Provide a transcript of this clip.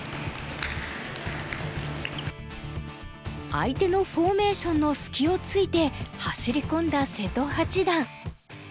相手のフォーメーションの隙をついて走り込んだ瀬戸八段。